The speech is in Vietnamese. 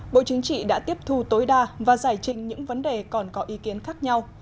bộ chính trị đã tiếp thu tối đa và giải trình những vấn đề còn có ý kiến khác nhau